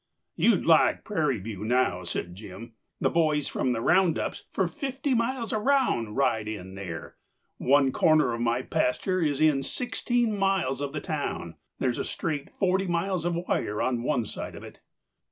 "You'd like Prairie View now," said Jim. "The boys from the round ups for fifty miles around ride in there. One corner of my pasture is in sixteen miles of the town. There's a straight forty miles of wire on one side of it."